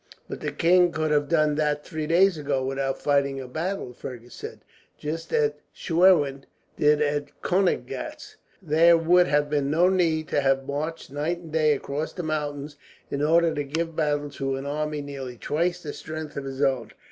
"But the king could have done that three days ago, without fighting a battle," Fergus said; "just as Schwerin did at Koeniggraetz. There would have been no need to have marched night and day across the mountains, in order to give battle to an army nearly twice the strength of his own.